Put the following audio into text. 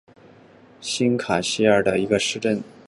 新阿瓜多西是巴西北大河州的一个市镇。